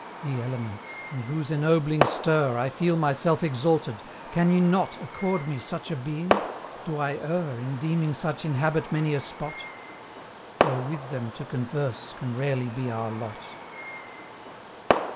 Ye Elements! in whose ennobling stir I feel myself exalted can ye not Accord me such a being? Do I err In deeming such inhabit many a spot? Though with them to converse can rarely be our lot.